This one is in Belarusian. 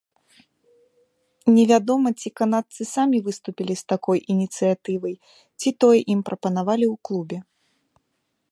Невядома, ці канадцы самі выступілі з такой ініцыятывай, ці тое ім прапанавалі ў клубе.